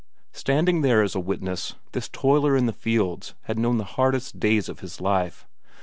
Standing there as a witness, this toiler in the fields had known the hardest days of his life.